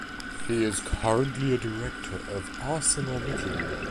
He is currently a director of ArcelorMittal.